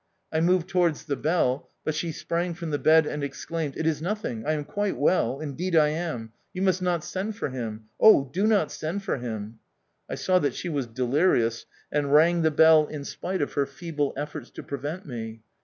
I moved towards the bell, but she sprang from the bed and exclaimed, It is nothing, I am quite well, indeed I am; you must not send for him. Oh, do not send for him ! I saw that she was delirious, and rang the bell in spite of her feeble efforts to prevent me.